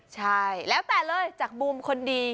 ใช่แล้วแต่เลยจากมุมคนดี